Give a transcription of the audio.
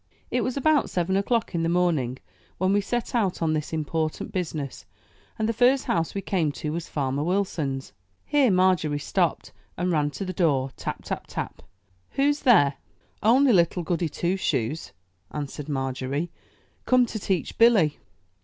It was about seven o'clock in the morning when we set out on this important business, and the first house we came to was Farmer Wilson's. Here Mar gery stopped, and ran to the door, tap, tap, tap. 'Who's there?" ''Only Little Goody Two Shoes," answered Margery, "come to teach Billy."